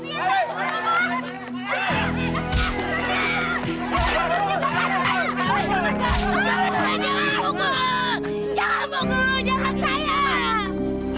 jangan pukul jangan pukul jangan saya